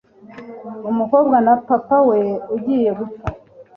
Umukobwa na papa we ugiye gupfa